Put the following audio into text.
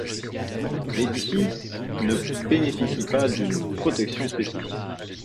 L'édifice ne bénéficie pas d'une protection spécifique.